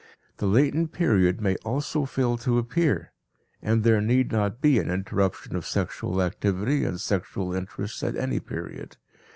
The latent period may also fail to appear and there need not be an interruption of sexual activity and sexual interests at any period.